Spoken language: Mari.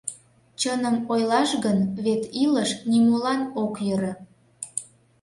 Чыным ойлаш гын, вет илыш нимолан ок йӧрӧ.